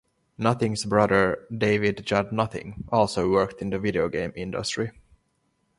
Nutting's brother, David Judd Nutting, also worked in the video game industry.